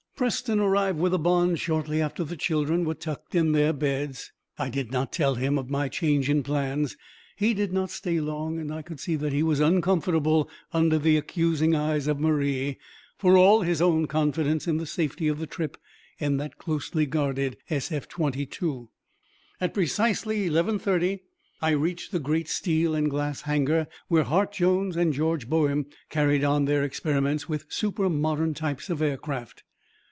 Preston arrived with the bonds shortly after the children were tucked in their beds. I did not tell him of my change in plans. He did not stay long, and I could see that he was uncomfortable under the accusing eyes of Marie, for all his own confidence in the safety of the trip in the closely guarded SF 22. At precisely eleven thirty I reached the great steel and glass hangar where Hart Jones and George Boehm carried on their experiments with super modern types of aircraft.